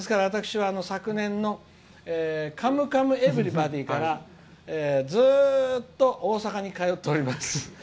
昨年の「カムカムエヴリバディ」からずっと大阪に通っております。